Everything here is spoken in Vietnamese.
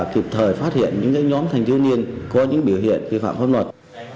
kịp thời phát hiện những cái nhóm thanh thiếu niên có những biểu hiện kỳ phạm pháp luật